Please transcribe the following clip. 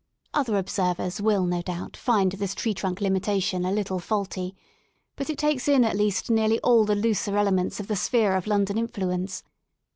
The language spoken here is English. Other observers will, no doubt, find this tree trunk limitation a little faulty; but it takes in at least nearly all the looser elements of the sphere of London influence.